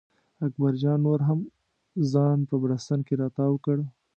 اکبر جان نور هم ځان په بړسټن کې را تاو کړ.